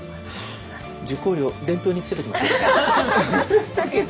受講料伝票につけておきましょうかね。